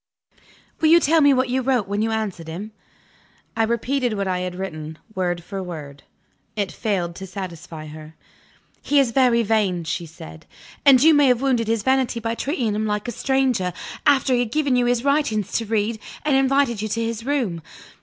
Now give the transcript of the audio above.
Will you tell me what you wrote when you answered him?" I repeated what I had written, word for word. It failed to satisfy her. "He is very vain," she said, "and you may have wounded his vanity by treating him like a stranger, after he had given you his writings to read, and invited you to his room.